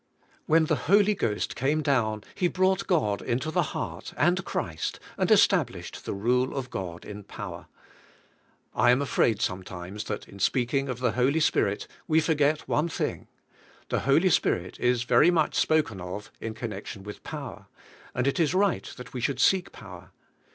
When the Holy Ghost came down He brought God into the heart, and Christ, and established the rule of God in power. I am afraid sometimes, that in speaking of the Holy Spirit we forget one thing. The Holy Spirit is very much spoken of in connection with power; and it is right that we should seek power.